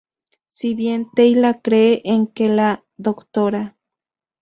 Si bien Teyla cree en que la Dra.